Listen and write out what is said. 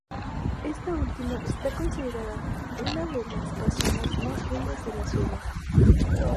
Esta última está considerada una de las casonas más bellas de la ciudad.